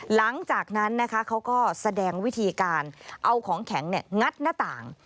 หลังจากนั้นนะคะเขาก็แสดงวิธีการเอาของแข็งงัดหน้าต่าง